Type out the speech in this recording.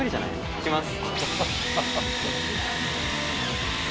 行きます。